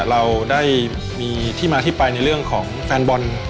เราได้มีที่มาที่ไปในเรื่องของแฟนบอล